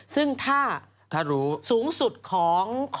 ซึ่งถ้ารู้สูงสุดของ